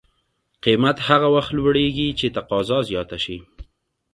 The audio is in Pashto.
قیمت هغه وخت لوړېږي چې تقاضا زیاته شي.